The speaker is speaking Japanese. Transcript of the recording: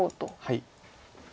はい。